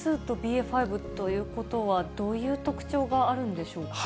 ＢＡ．２とＢＡ．５ということは、どういう特徴があるんでしょうか。